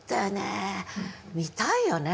見たいよね